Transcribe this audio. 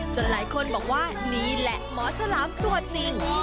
หลายคนบอกว่านี่แหละหมอฉลามตัวจริง